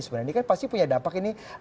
sebenarnya ini kan pasti punya dampak ini